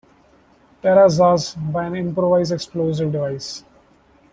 Terrazas by an improvised explosive device.